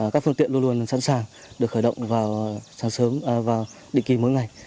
các phương tiện luôn luôn sẵn sàng được khởi động vào địa kỳ mỗi ngày